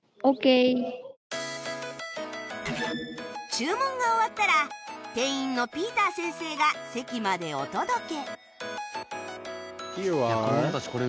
注文が終わったら店員のピーター先生が席までお届け